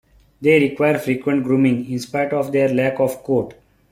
They require frequent grooming, in spite of their lack of coat.